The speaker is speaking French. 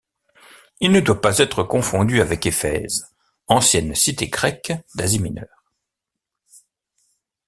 Il ne doit pas être confondu avec Éphèse, ancienne cité grecque d'Asie Mineure.